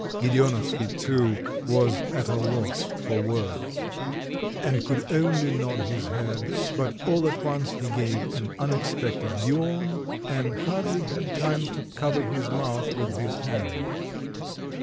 Gedeonovsky, too, was at a loss for words, and could only nod his head, but all at once he gave an unexpected yawn, and hardly had time to cover his mouth with his hand.